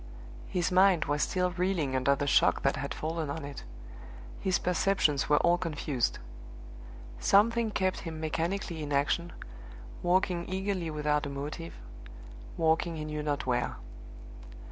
His mind was still reeling under the shock that had fallen on it; his perceptions were all confused. Something kept him mechanically in action, walking eagerly without a motive, walking he knew not where.